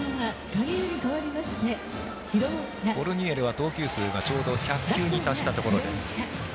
コルニエルは投球数がちょうど１００球に達したところです。